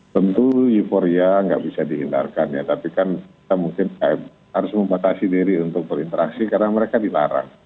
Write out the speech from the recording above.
tentu euforia nggak bisa dihindarkan ya tapi kan kita mungkin harus membatasi diri untuk berinteraksi karena mereka dilarang